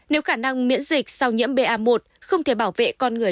nếu khả năng miễn dịch sau nhiễm ba một không thể bảo vệ